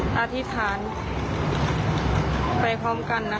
อธิษฐานไปพร้อมกันนะคะ